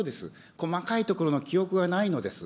細かいところの記憶がないのです。